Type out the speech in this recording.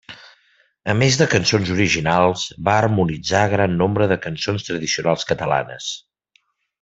A més de cançons originals, va harmonitzar gran nombre de cançons tradicionals catalanes.